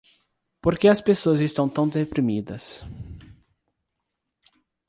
Por que as pessoas estão tão deprimidas?